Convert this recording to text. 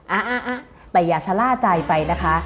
เออแต่อย่าชลากใจไปนะคะ